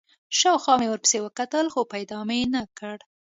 شاوخوا مې ورپسې وکتل، خو پیدا مې نه کړ.